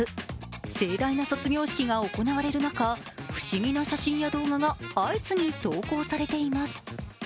盛大な卒業式が行われる中不思議な写真や動画が相次ぎ投稿されています。